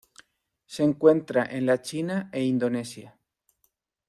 Se encuentra en la China e Indonesia.